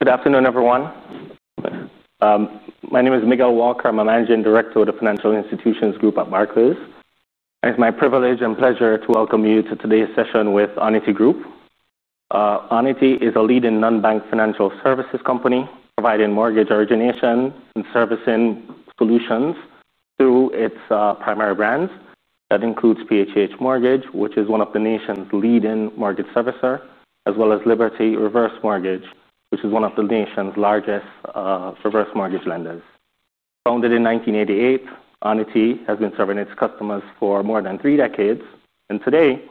Good afternoon, everyone. My name is Miguel Walker. I'm a Managing Director of the Financial Institutions Group at Barclays. It's my privilege and pleasure to welcome you to today's session with Onity Group Inc. Onity is a leading non-bank financial services company providing mortgage originations and servicing solutions through its primary brands that include PHH Mortgage, which is one of the nation's leading mortgage servicers, as well as Liberty Reverse Mortgage, which is one of the nation's largest reverse mortgage lenders. Founded in 1988, Onity has been serving its customers for more than three decades and today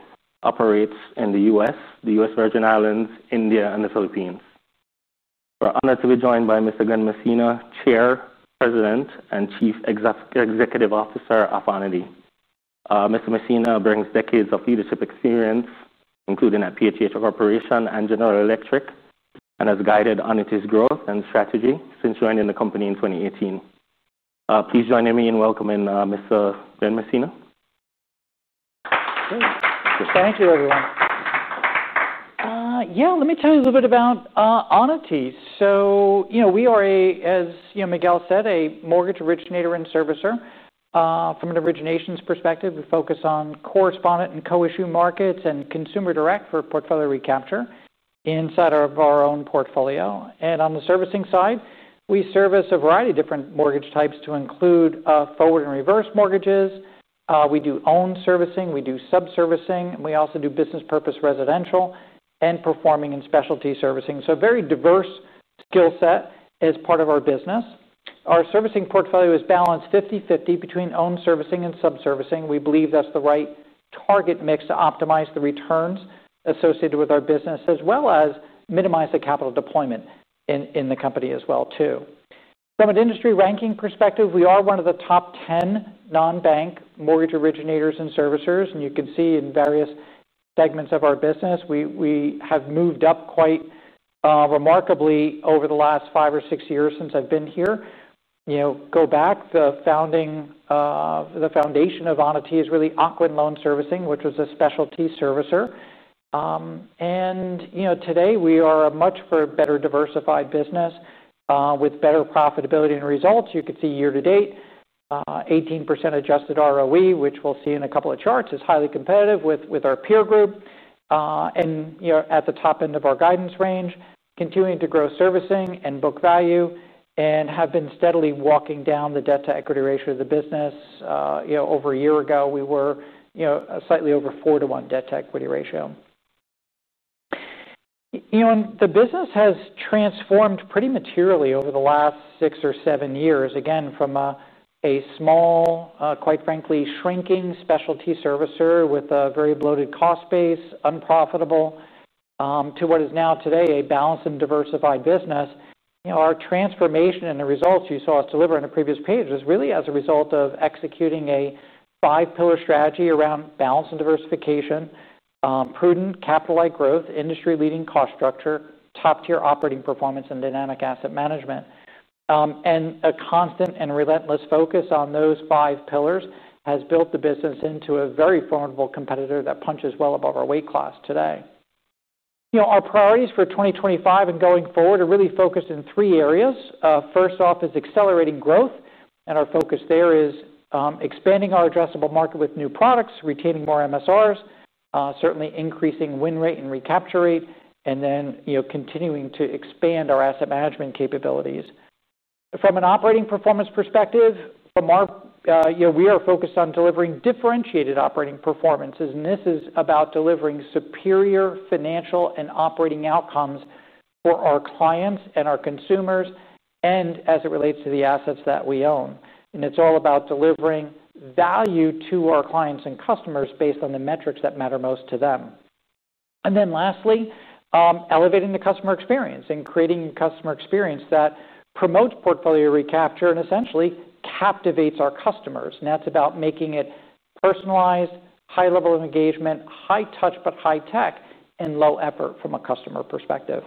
operates in the U.S., the U.S. Virgin Islands, India, and the Philippines. We're honored to be joined by Mr. Glen Messina, Chair, President, and Chief Executive Officer of Onity. Mr. Messina brings decades of leadership experience, including at PHH Corporation and General Electric, and has guided Onity's growth and strategy since joining the company in 2018. Please join me in welcoming Mr. Glen Messina. Thank you, everyone. Let me tell you a little bit about Onity. As Miguel said, we are a mortgage originator and servicer. From an originations perspective, we focus on correspondent and co-issue markets and consumer direct for a portfolio recapture inside of our own portfolio. On the servicing side, we service a variety of different mortgage types to include forward and reverse mortgages. We do own servicing, we do sub-servicing, and we also do business purpose residential and performing and specialty servicing. A very diverse skill set is part of our business. Our servicing portfolio is balanced 50/50 between own servicing and sub-servicing. We believe that's the right target mix to optimize the returns associated with our business, as well as minimize the capital deployment in the company as well. From an industry ranking perspective, we are one of the top 10 non-bank mortgage originators and servicers. In various segments of our business, we have moved up quite remarkably over the last five or six years since I've been here. Go back, the foundation of Onity is really Ocwen Loan Servicing, which was a specialty servicer. Today we are a much better diversified business with better profitability and results. You could see year to date, 18% adjusted ROE, which we'll see in a couple of charts, is highly competitive with our peer group. At the top end of our guidance range, continuing to grow servicing and book value and have been steadily walking down the debt-to-equity ratio of the business. Over a year ago, we were slightly over four to one debt-to-equity ratio. The business has transformed pretty materially over the last six or seven years, from a small, quite frankly, shrinking specialty servicer with a very bloated cost base, unprofitable, to what is now today a balanced and diversified business. Our transformation and the results you saw us deliver in the previous page is really as a result of executing a five-pillar strategy around balance and diversification, prudent capital-light growth, industry-leading cost structure, top-tier operating performance, and dynamic asset management. A constant and relentless focus on those five pillars has built the business into a very formidable competitor that punches well above our weight class today. You know, our priorities for 2025 and going forward are really focused in three areas. First off is accelerating growth, and our focus there is expanding our addressable market with new products, retaining more MSRs, certainly increasing win rate and recapture rate, and then continuing to expand our asset management capabilities. From an operating performance perspective, we are focused on delivering differentiated operating performances, and this is about delivering superior financial and operating outcomes for our clients and our consumers as it relates to the assets that we own. It's all about delivering value to our clients and customers based on the metrics that matter most to them. Lastly, elevating the customer experience and creating a customer experience that promotes portfolio recapture and essentially captivates our customers. That's about making it personalized, high level of engagement, high touch, but high tech and low effort from a customer perspective.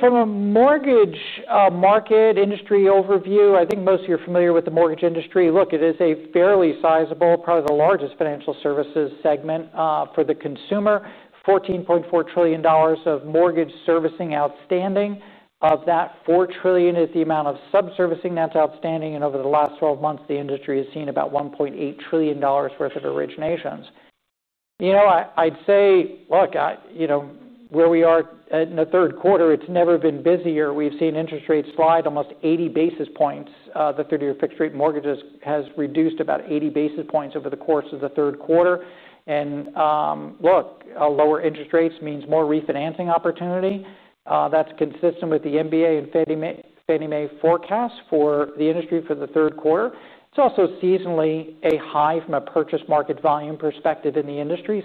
From a mortgage market industry overview, I think most of you are familiar with the mortgage industry. Look, it is a fairly sizable, probably the largest financial services segment for the consumer. $14.4 trillion of mortgage servicing outstanding. Of that, $4 trillion is the amount of sub-servicing that's outstanding. Over the last 12 months, the industry has seen about $1.8 trillion worth of originations. I'd say, look, where we are in the third quarter, it's never been busier. We've seen interest rates slide almost 80 basis points. The 30-year fixed-rate mortgage has reduced about 80 basis points over the course of the third quarter. Look, lower interest rates mean more refinancing opportunity. That's consistent with the MBA and Fannie Mae forecast for the industry for the third quarter. It's also seasonally a high from a purchase market volume perspective in the industry.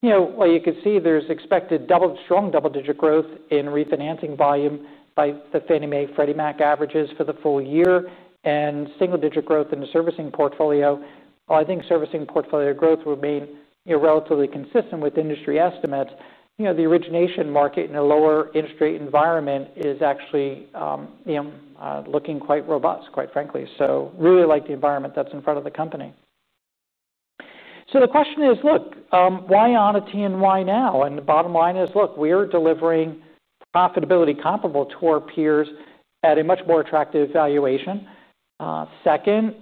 You can see there's expected strong double-digit growth in refinancing volume by the Fannie Mae Freddie Mac averages for the full year and single-digit growth in the servicing portfolio. I think servicing portfolio growth remains relatively consistent with industry estimates. The origination market in a lower interest rate environment is actually, you know, looking quite robust, quite frankly. I really like the environment that's in front of the company. The question is, look, why Onity and why now? The bottom line is, look, we're delivering profitability comparable to our peers at a much more attractive valuation. Second,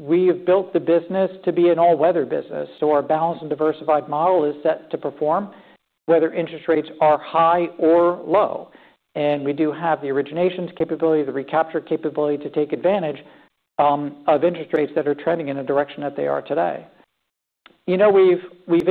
we've built the business to be an all-weather business. Our balanced and diversified model is set to perform whether interest rates are high or low. We do have the originations capability, the recapture capability to take advantage of interest rates that are trending in a direction that they are today. We've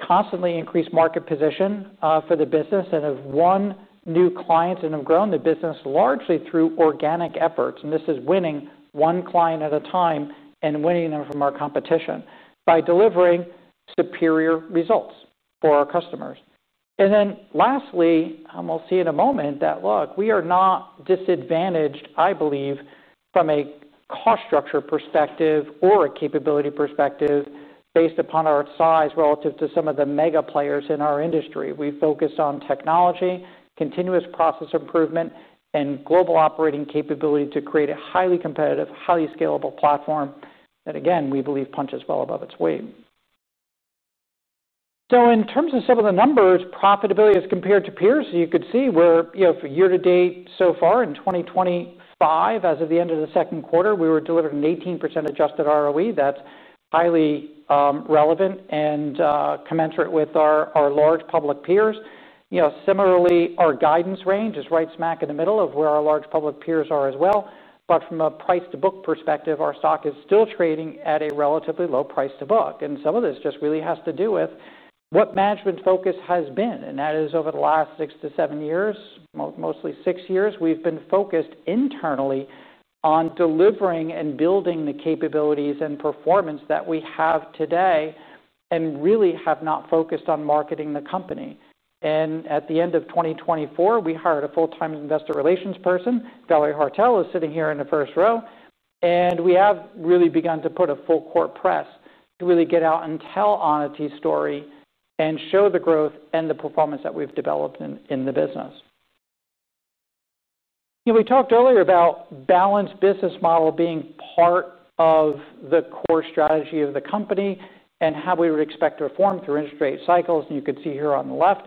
constantly increased market position for the business and have won new clients and have grown the business largely through organic efforts. This is winning one client at a time and winning them from our competition by delivering superior results for our customers. Lastly, we'll see in a moment that, look, we are not disadvantaged, I believe, from a cost structure perspective or a capability perspective based upon our size relative to some of the mega players in our industry. We focus on technology, continuous process improvement, and global operating capability to create a highly competitive, highly scalable platform that, again, we believe punches well above its weight. In terms of some of the numbers, profitability as compared to peers, you could see where, for year to date so far in 2025, as of the end of the second quarter, we were delivering an 18% adjusted ROE. That's highly relevant and commensurate with our large public peers. Similarly, our guidance range is right smack in the middle of where our large public peers are as well. From a price-to-book perspective, our stock is still trading at a relatively low price to book. Some of this just really has to do with what management's focus has been. Over the last six to seven years, mostly six years, we've been focused internally on delivering and building the capabilities and performance that we have today and really have not focused on marketing the company. At the end of 2024, we hired a full-time investor relations person. Valerie Haertel is sitting here in the first row. We have really begun to put a full-court press to really get out and tell Onity's story and show the growth and the performance that we've developed in the business. We talked earlier about the balanced business model being part of the core strategy of the company and how we would expect to perform through interest rate cycles. You could see here on the left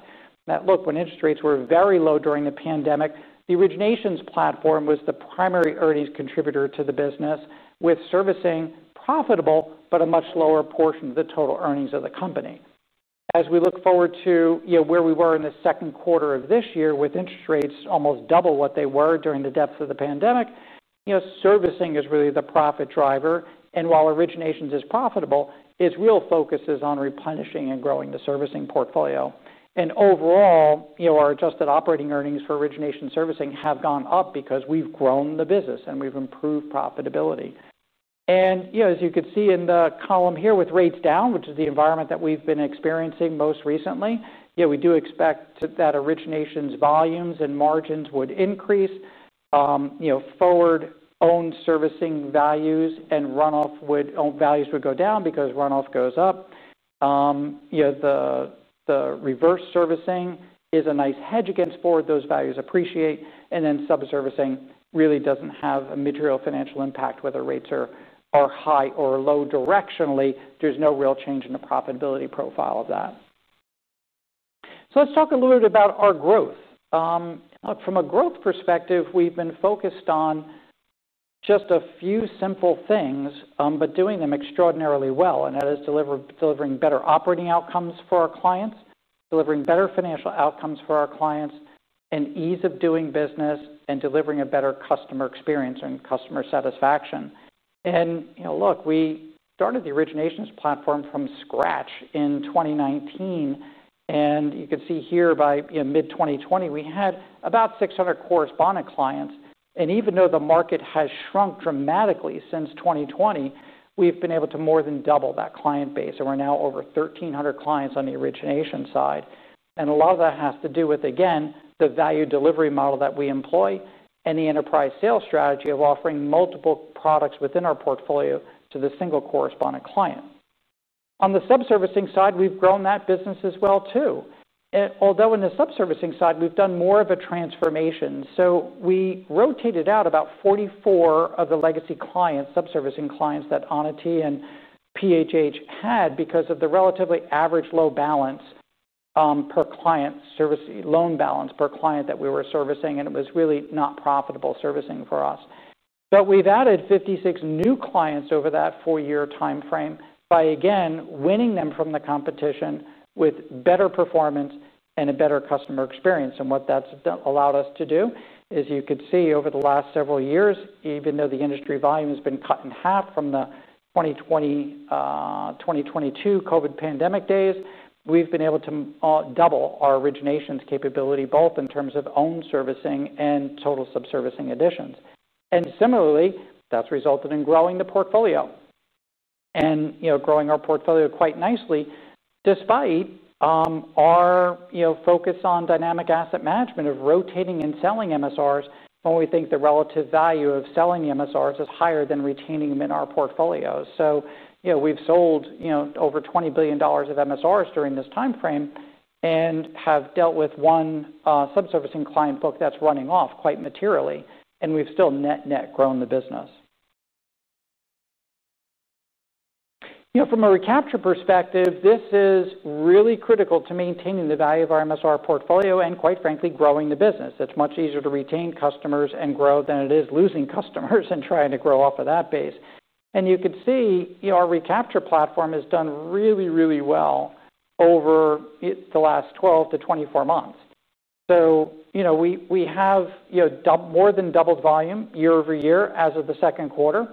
that, look, when interest rates were very low during the pandemic, the originations platform was the primary earnings contributor to the business, with servicing profitable but a much lower portion of the total earnings of the company. As we look forward to where we were in the second quarter of this year, with interest rates almost double what they were during the depth of the pandemic, servicing is really the profit driver. While origination is profitable, its real focus is on replenishing and growing the servicing portfolio. Overall, our adjusted operating earnings for origination servicing have gone up because we've grown the business and we've improved profitability. You could see in the column here with rates down, which is the environment that we've been experiencing most recently, we do expect that originations volumes and margins would increase. Forward owned servicing values and runoff values would go down because runoff goes up. The reverse servicing is a nice hedge against forward those values appreciate. Sub-servicing really doesn't have a material financial impact whether rates are high or low directionally. There's no real change in the profitability profile of that. Let's talk a little bit about our growth. From a growth perspective, we've been focused on just a few simple things, but doing them extraordinarily well. That is delivering better operating outcomes for our clients, delivering better financial outcomes for our clients, and ease of doing business and delivering a better customer experience and customer satisfaction. We started the originations platform from scratch in 2019. You could see here by mid-2020, we had about 600 correspondent clients. Even though the market has shrunk dramatically since 2020, we've been able to more than double that client base. We're now over 1,300 clients on the origination side. A lot of that has to do with, again, the value delivery model that we employ and the enterprise sales strategy of offering multiple products within our portfolio to the single correspondent client. On the sub-servicing side, we've grown that business as well too. Although on the sub-servicing side, we've done more of a transformation. We rotated out about 44 of the legacy sub-servicing clients that Onity and PHH Mortgage had because of the relatively average low balance per client, service loan balance per client that we were servicing. It was really not profitable servicing for us. We have added 56 new clients over that four-year timeframe by winning them from the competition with better performance and a better customer experience. What that has allowed us to do is, you could see over the last several years, even though the industry volume has been cut in half from the 2022 COVID pandemic days, we have been able to double our originations capability, both in terms of owned servicing and total sub-servicing additions. Similarly, that has resulted in growing the portfolio and growing our portfolio quite nicely, despite our focus on dynamic asset management of rotating and selling MSRs when we think the relative value of selling MSRs is higher than retaining them in our portfolios. We have sold over $20 billion of MSRs during this timeframe and have dealt with one sub-servicing client book that is running off quite materially. We have still net-net grown the business. From a recapture perspective, this is really critical to maintaining the value of our MSR portfolio and, quite frankly, growing the business. It is much easier to retain customers and grow than it is losing customers and trying to grow off of that base. You could see our recapture platform has done really, really well over the last 12 to 24 months. We have more than doubled volume year over year as of the second quarter.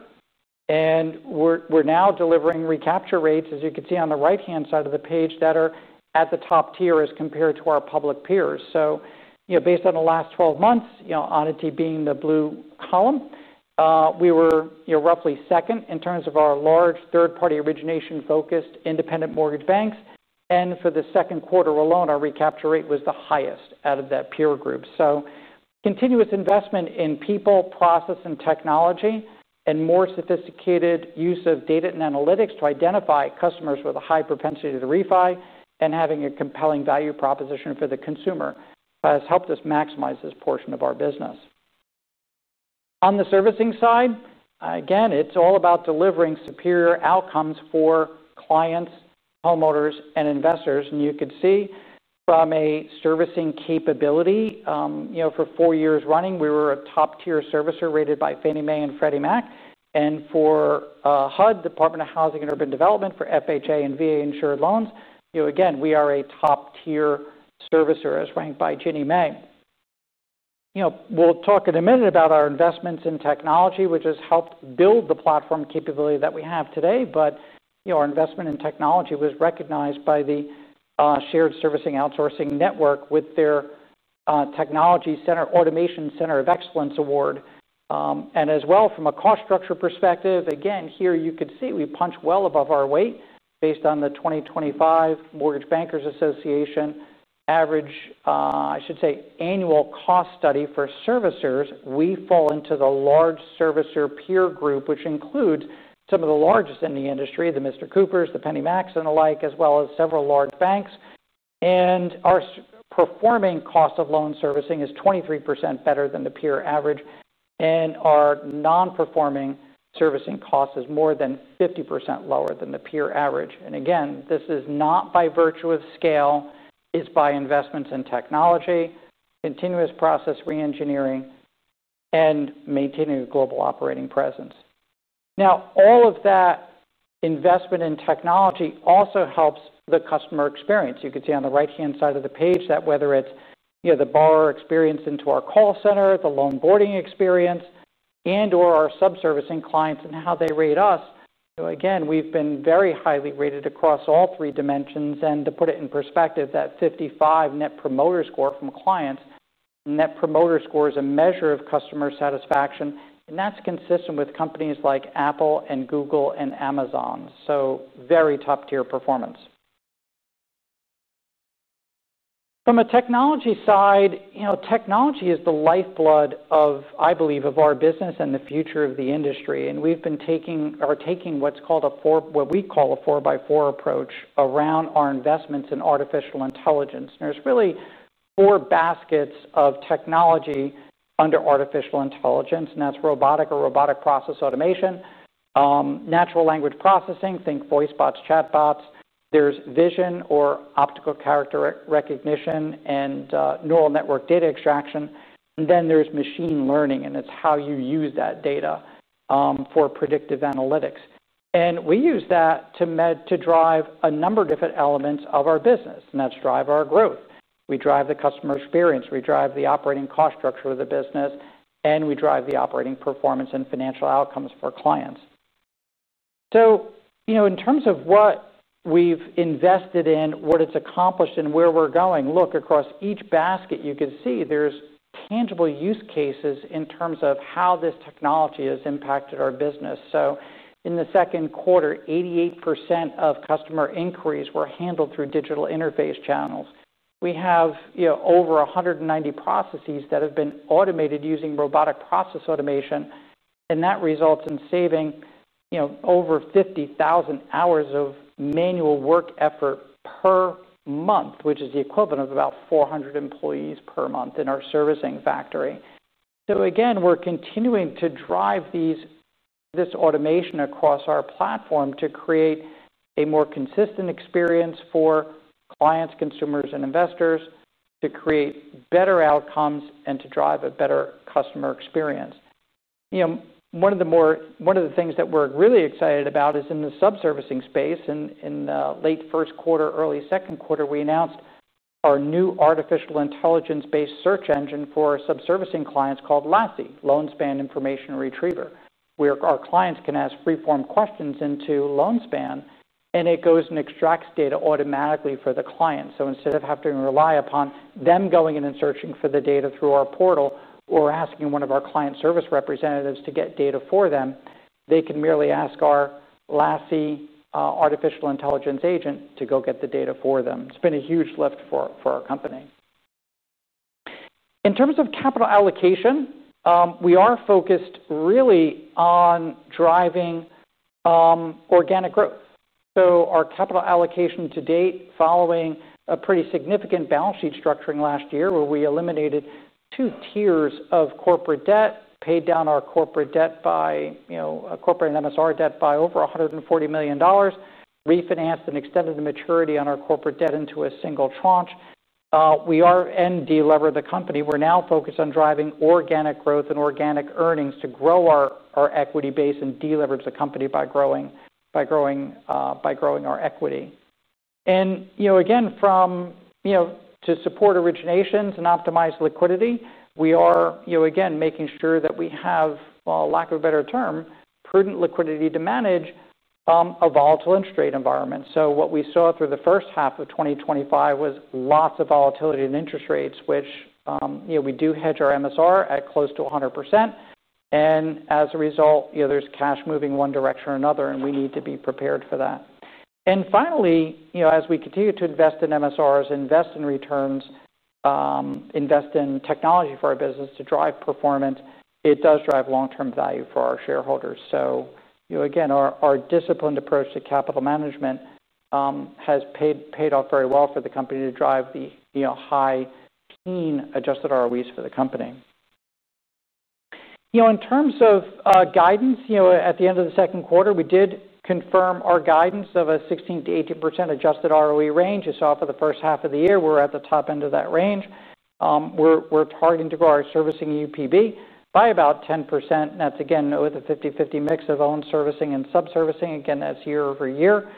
We are now delivering recapture rates, as you could see on the right-hand side of the page, that are at the top tier as compared to our public peers. Based on the last 12 months, Onity being the blue column, we were roughly second in terms of our large third-party origination-focused independent mortgage banks. For the second quarter alone, our recapture rate was the highest out of that peer group. Continuous investment in people, process, and technology, and more sophisticated use of data and analytics to identify customers with a high propensity to refi and having a compelling value proposition for the consumer has helped us maximize this portion of our business. On the servicing side, it is all about delivering superior outcomes for clients, homeowners, and investors. You could see from a servicing capability, for four years running, we were a top-tier servicer rated by Fannie Mae and Freddie Mac. For HUD, Department of Housing and Urban Development, for FHA and VA insured loans, we are a top-tier servicer as ranked by Ginnie Mae. We will talk in a minute about our investments in technology, which has helped build the platform capability that we have today. Our investment in technology was recognized by the Shared Servicing Outsourcing Network with their Technology Center Automation Center of Excellence Award. As well, from a cost structure perspective, here you could see we punch well above our weight based on the 2025 Mortgage Bankers Association average annual cost study for servicers. We fall into the large servicer peer group, which includes some of the largest in the industry, the Mr. Coopers, the PennyMacks, and the like, as well as several large banks. Our performing cost of loan servicing is 23% better than the peer average. Our non-performing servicing cost is more than 50% lower than the peer average. This is not by virtue of scale. It is by investments in technology, continuous process re-engineering, and maintaining a global operating presence. All of that investment in technology also helps the customer experience. You could see on the right-hand side of the page that whether it is the borrower experience into our call center, the loan boarding experience, and/or our sub-servicing clients and how they rate us. We have been very highly rated across all three dimensions. To put it in perspective, that 55 Net Promoter Score from clients, Net Promoter Score is a measure of customer satisfaction. That is consistent with companies like Apple and Google and Amazon. Very top-tier performance. From a technology side, technology is the lifeblood of, I believe, our business and the future of the industry. We have been taking what is called a four, what we call a four-by-four approach around our investments in artificial intelligence. There are really four baskets of technology under artificial intelligence. That is robotic or robotic process automation, natural language processing, think voice bots, chat bots. There is vision or optical character recognition and neural network data extraction. Then there is machine learning. It's how you use that data for predictive analytics. We use that to drive a number of different elements of our business. That drives our growth, the customer experience, the operating cost structure of the business, and the operating performance and financial outcomes for clients. In terms of what we've invested in, what it's accomplished, and where we're going, across each basket, you can see there's tangible use cases in terms of how this technology has impacted our business. In the second quarter, 88% of customer inquiries were handled through digital interface channels. We have over 190 processes that have been automated using robotic process automation. That results in saving over 50,000 hours of manual work effort per month, which is the equivalent of about 400 employees per month in our servicing factory. We're continuing to drive this automation across our platform to create a more consistent experience for clients, consumers, and investors to create better outcomes and to drive a better customer experience. One of the things that we're really excited about is in the sub-servicing space. In the late first quarter, early second quarter, we announced our new artificial intelligence-based search engine for sub-servicing clients called LASI, Loan Span Information Retriever. Our clients can ask free-form questions into Loan Span, and it goes and extracts data automatically for the client. Instead of having to rely upon them going in and searching for the data through our portal or asking one of our client service representatives to get data for them, they can merely ask our LASI artificial intelligence agent to go get the data for them. It's been a huge lift for our company. In terms of capital allocation, we are focused really on driving organic growth. Our capital allocation to date, following a pretty significant balance sheet structuring last year where we eliminated two tiers of corporate debt, paid down our corporate and MSR debt by over $140 million, refinanced and extended the maturity on our corporate debt into a single tranche. We are and deliver the company. We're now focused on driving organic growth and organic earnings to grow our equity base and deliver to the company by growing our equity. To support originations and optimize liquidity, we are making sure that we have, for lack of a better term, prudent liquidity to manage a volatile and straight environment. What we saw through the first half of 2025 was lots of volatility in interest rates, which we do hedge our MSR at close to 100%. As a result, there's cash moving one direction or another, and we need to be prepared for that. Finally, as we continue to invest in MSRs, invest in returns, invest in technology for our business to drive performance, it does drive long-term value for our shareholders. Our disciplined approach to capital management has paid off very well for the company to drive the high-teen adjusted ROEs for the company. In terms of guidance, at the end of the second quarter, we did confirm our guidance of a 16% to 18% adjusted ROE range. You saw for the first half of the year, we're at the top end of that range. We're targeting to grow our servicing UPB by about 10%. That's with a 50/50 mix of owned servicing and sub-servicing. That's year over year.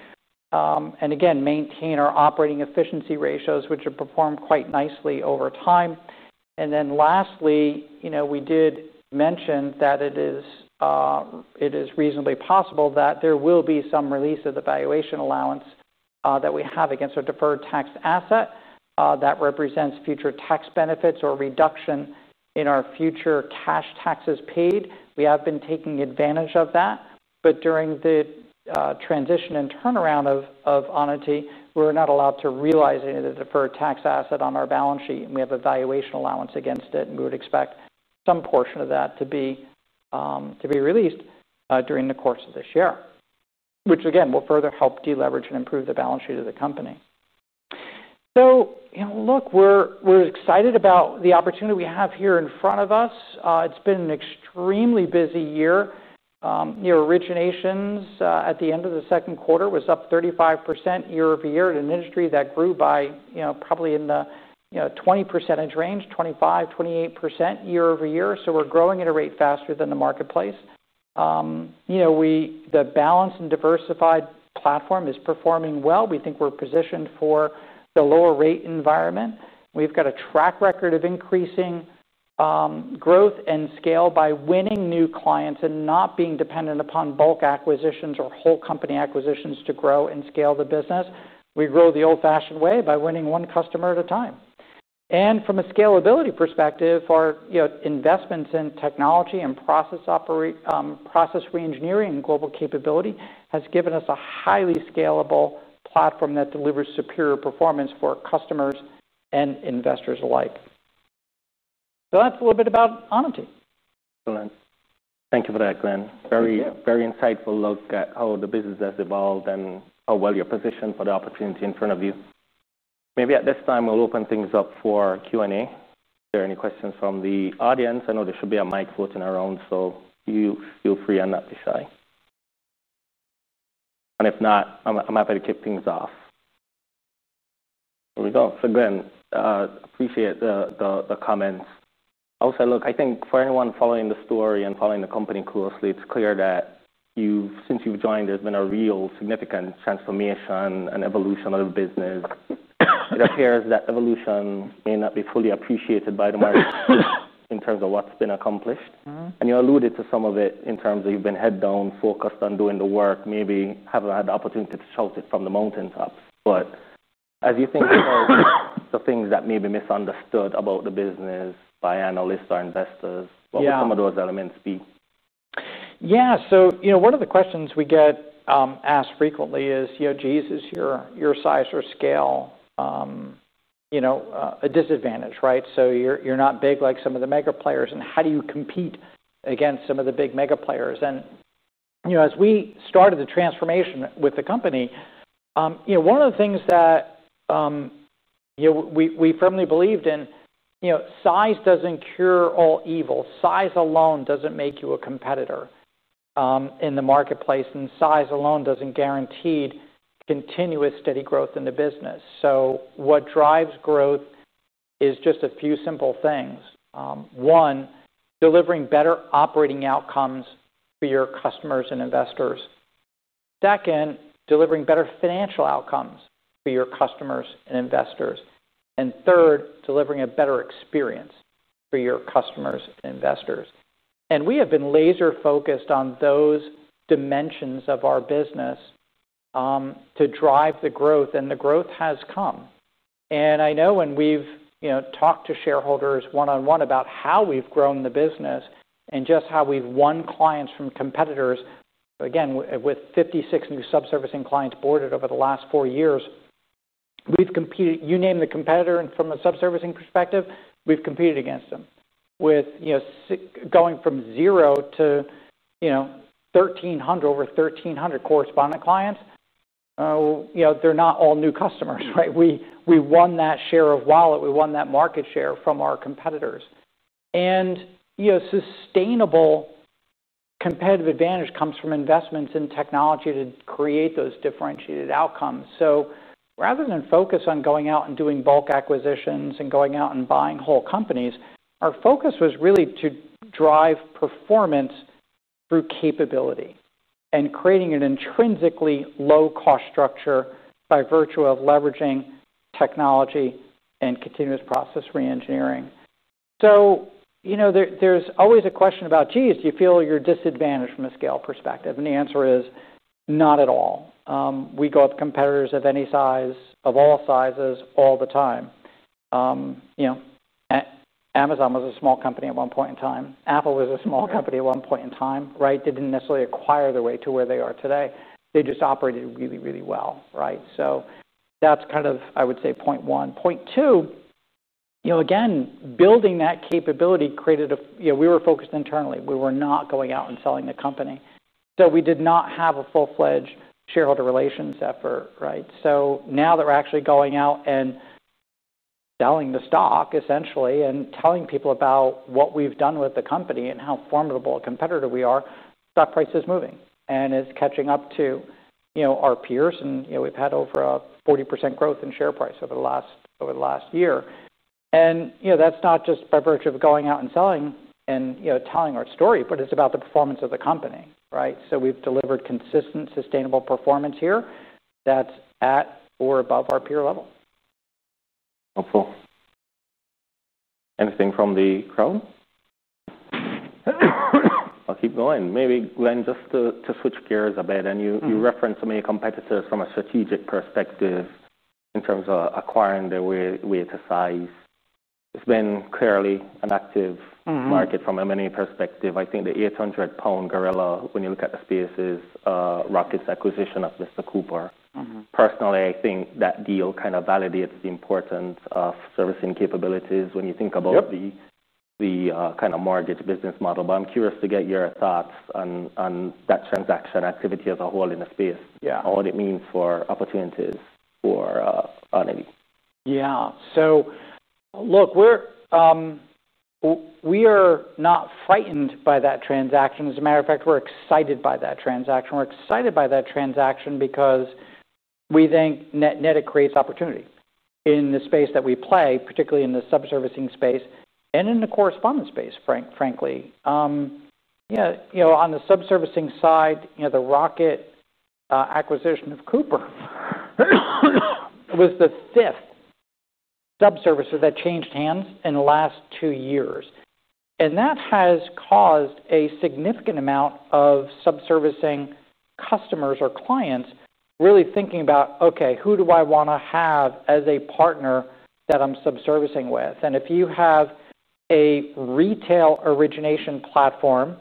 We maintain our operating efficiency ratios, which have performed quite nicely over time. Lastly, we did mention that it is reasonably possible that there will be some release of the valuation allowance that we have against our deferred tax asset that represents future tax benefits or reduction in our future cash taxes paid. We have been taking advantage of that. During the transition and turnaround of Onity, we're not allowed to realize any of the deferred tax asset on our balance sheet. We have a valuation allowance against it, and we would expect some portion of that to be released during the course of this year, which will further help deleverage and improve the balance sheet of the company. We're excited about the opportunity we have here in front of us. It's been an extremely busy year. Your originations at the end of the second quarter was up 35% year over year in an industry that grew by probably in the 20% range, 25%, 28% year over year. We're growing at a rate faster than the marketplace. The balance and diversified platform is performing well. We think we're positioned for the lower rate environment. We've got a track record of increasing growth and scale by winning new clients and not being dependent upon bulk acquisitions or whole company acquisitions to grow and scale the business. We grow the old-fashioned way by winning one customer at a time. From a scalability perspective, our investments in technology and process re-engineering and global capability have given us a highly scalable platform that delivers superior performance for customers and investors alike. That's a little bit about Onity. Excellent. Thank you for that, Glen. Very, very insightful look at how the business has evolved and how well you're positioned for the opportunity in front of you. At this time, we'll open things up for Q&A. If there are any questions from the audience, I know there should be a mic floating around, so you feel free on that side. If not, I'm happy to kick things off. Here we go. Glen, I appreciate the comments. I would say, look, I think for anyone following the story and following the company closely, it's clear that since you've joined, there's been a real significant transformation and evolution of the business. It appears that evolution may not be fully appreciated by the market in terms of what's been accomplished. You alluded to some of it in terms of you've been head down, focused on doing the work, maybe haven't had the opportunity to shout it from the mountaintops. As you think about the things that may be misunderstood about the business by analysts or investors, what would some of those elements be? Yeah, one of the questions we get asked frequently is, geez, is your size or scale a disadvantage, right? You're not big like some of the mega players. How do you compete against some of the big mega players? As we started the transformation with the company, one of the things that we firmly believed in is size doesn't cure all evil. Size alone doesn't make you a competitor in the marketplace. Size alone doesn't guarantee continuous steady growth in the business. What drives growth is just a few simple things. One, delivering better operating outcomes for your customers and investors. Second, delivering better financial outcomes for your customers and investors. Third, delivering a better experience for your customers and investors. We have been laser-focused on those dimensions of our business to drive the growth, and the growth has come. I know when we've talked to shareholders one-on-one about how we've grown the business and just how we've won clients from competitors, with 56 new sub-servicing clients boarded over the last four years, we've competed. You name the competitor from a sub-servicing perspective, we've competed against them, going from zero to over 1,300 correspondent clients. They're not all new customers, right? We won that share of wallet. We won that market share from our competitors. Sustainable competitive advantage comes from investments in technology to create those differentiated outcomes. Rather than focus on going out and doing bulk acquisitions and buying whole companies, our focus was really to drive performance through capability and creating an intrinsically low-cost structure by virtue of leveraging technology and continuous process re-engineering. There's always a question about, geez, do you feel you're disadvantaged from a scale perspective? The answer is not at all. We go up to competitors of any size, of all sizes, all the time. Amazon was a small company at one point in time. Apple was a small company at one point in time, right? They didn't necessarily acquire the way to where they are today. They just operated really, really well, right? That's kind of, I would say, point one. Point two, again, building that capability created a, we were focused internally. We were not going out and selling the company. We did not have a full-fledged shareholder relations effort, right? Now that we're actually going out and selling the stock, essentially, and telling people about what we've done with the company and how formidable a competitor we are, stock price is moving and is catching up to our peers. We've had over a 40% growth in share price over the last year. That's not just by virtue of going out and selling and telling our story, but it's about the performance of the company, right? We've delivered consistent, sustainable performance here that's at or above our peer level. Hopeful. Anything from the crowd? I'll keep going. Maybe, Glen, just to switch gears a bit, and you referenced so many competitors from a strategic perspective in terms of acquiring their way to size. It's been clearly an active market from a money perspective. I think the 800-pound gorilla, when you look at the space, is Rocket's acquisition of Mr. Cooper. Personally, I think that deal kind of validates the importance of servicing capabilities when you think about the kind of mortgage business model. I'm curious to get your thoughts on that transaction activity as a whole in the space. Yeah, and what it means for opportunities for Onity. Yeah, look, we are not frightened by that transaction. As a matter of fact, we're excited by that transaction. We're excited by that transaction because we think net it creates opportunity in the space that we play, particularly in the sub-servicing space and in the correspondent space, frankly. On the sub-servicing side, the Rocket acquisition of Mr. Cooper was the fifth sub-servicer that changed hands in the last two years. That has caused a significant amount of sub-servicing customers or clients really thinking about, okay, who do I want to have as a partner that I'm sub-servicing with? If you have a retail origination platform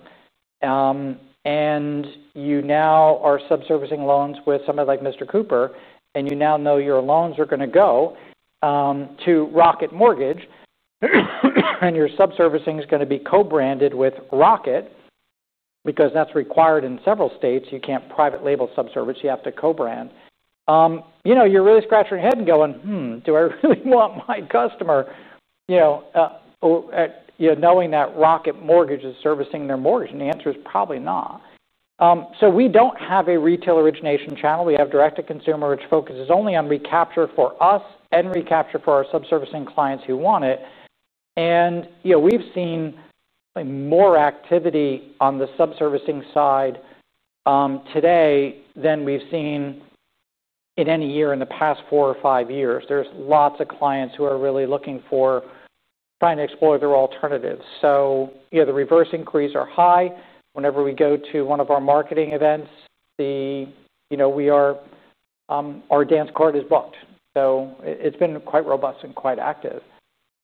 and you now are sub-servicing loans with somebody like Mr. Cooper, and you now know your loans are going to go to Rocket and your sub-servicing is going to be co-branded with Rocket because that's required in several states, you can't private label sub-service. You have to co-brand. You're really scratching your head and going, do I really want my customer knowing that Rocket is servicing their mortgage? The answer is probably not. We don't have a retail origination channel. We have direct-to-consumer, which focuses only on recapture for us and recapture for our sub-servicing clients who want it. We've seen more activity on the sub-servicing side today than we've seen in any year in the past four or five years. There are lots of clients who are really looking for trying to explore their alternatives. The reverse increase are high. Whenever we go to one of our marketing events, our dance card is booked. It's been quite robust and quite active.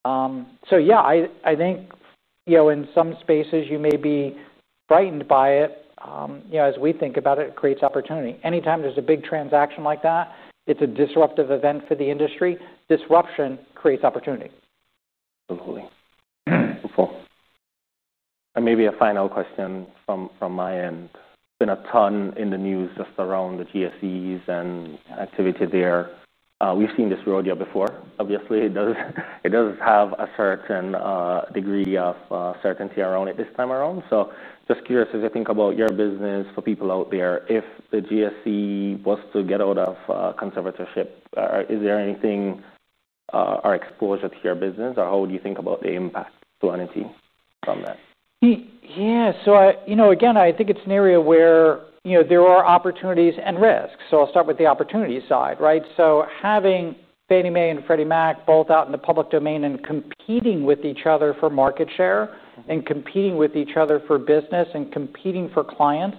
I think in some spaces, you may be frightened by it. As we think about it, it creates opportunity. Anytime there's a big transaction like that, it's a disruptive event for the industry. Disruption creates opportunity. Totally hopeful. Maybe a final question from my end. Been a ton in the news just around the GSEs and activity there. We've seen this rodeo before. Obviously, it does have a certain degree of certainty around it this time around. Just curious, as I think about your business for people out there, if the GSE was to get out of conservatorship, is there anything or exposure to your business? How would you think about the impact to Onity from that? Yeah, I think it's an area where there are opportunities and risks. I'll start with the opportunity side. Having Fannie Mae and Freddie Mac both out in the public domain and competing with each other for market share and for business and clients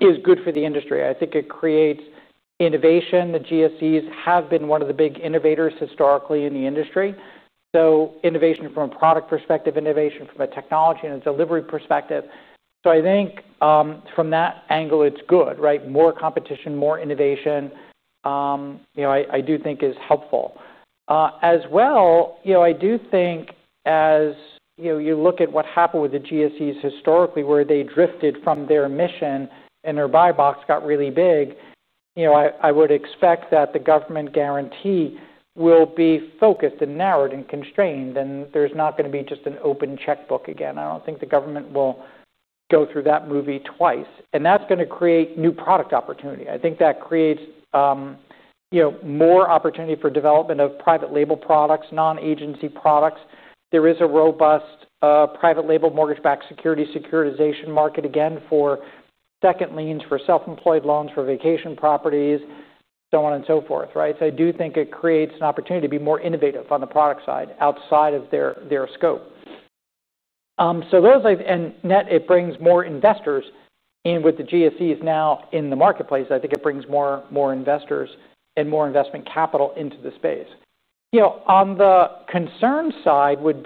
is good for the industry. I think it creates innovation. The GSEs have been one of the big innovators historically in the industry. Innovation from a product perspective, innovation from a technology and a delivery perspective. I think from that angle, it's good. More competition, more innovation, I do think is helpful. I do think as you look at what happened with the GSEs historically, where they drifted from their mission and their buy box got really big, I would expect that the government guarantee will be focused and narrowed and constrained. There's not going to be just an open checkbook again. I don't think the government will go through that movie twice. That's going to create new product opportunity. I think that creates more opportunity for development of private label products, non-agency products. There is a robust private label mortgage-backed security securitization market again for second liens, for self-employed loans, for vacation properties, so on and so forth. I do think it creates an opportunity to be more innovative on the product side outside of their scope. I think it brings more investors in with the GSEs now in the marketplace. It brings more investors and more investment capital into the space. On the concern side, what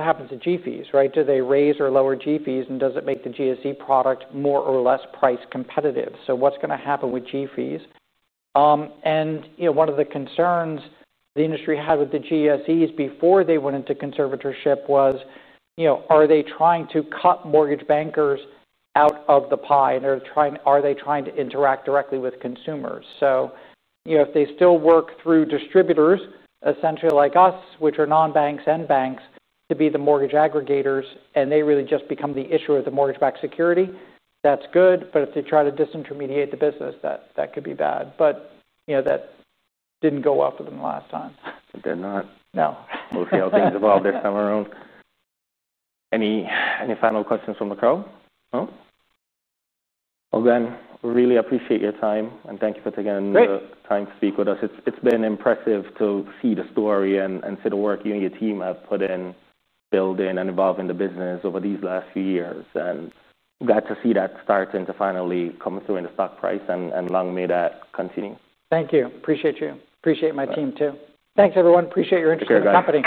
happens to G fees? Do they raise or lower G fees? Does it make the GSE product more or less price competitive? What's going to happen with G fees? One of the concerns the industry had with the GSEs before they went into conservatorship was, are they trying to cut mortgage bankers out of the pie? Are they trying to interact directly with consumers? If they still work through distributors essentially like us, which are non-banks and banks to be the mortgage aggregators, and they really just become the issuer of the mortgage-backed security, that's good. If they try to disintermediate the business, that could be bad. That didn't go well for them the last time. It did not. Mostly how things evolved this time around. Any final questions from the crowd? No? Glen, really appreciate your time. Thank you for taking the time to speak with us. It's been impressive to see the story and see the work you and your team have put in building and evolving the business over these last few years. Glad to see that starting to finally come through in the stock price and long may that continue. Thank you. Appreciate you. Appreciate my team too. Thanks, everyone. Appreciate your interest in the company.